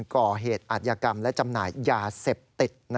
ก่อเหตุอัธยกรรมและจำหน่ายยาเสพติด